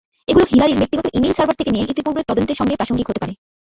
এগুলো হিলারির ব্যক্তিগত email server নিয়ে ইতিপূর্বের তদন্তের সঙ্গে প্রাসঙ্গিক হতে পারে।